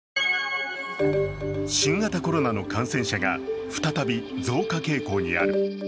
新型コロナの感染者が再び増加傾向にある。